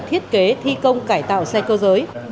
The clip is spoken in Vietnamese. thiết kế thi công cải tạo xe cơ giới